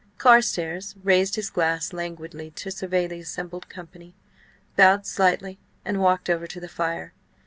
Carstares raised his glass languidly to survey the assembled company, bowed slightly, and walked over to the fire.